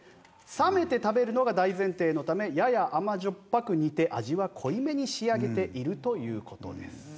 冷めて食べるのが大前提のためやや甘じょっぱく煮て味は濃いめに仕上げているという事です。